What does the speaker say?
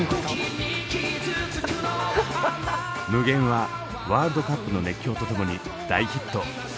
「Ｍｕｇｅｎ」はワールドカップの熱狂と共に大ヒット。